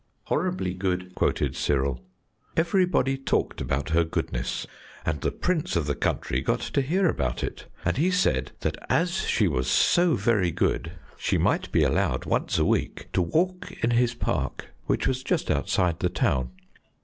"Horribly good," quoted Cyril. "Everybody talked about her goodness, and the Prince of the country got to hear about it, and he said that as she was so very good she might be allowed once a week to walk in his park, which was just outside the town.